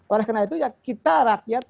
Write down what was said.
oleh karena itu ya kita rakyat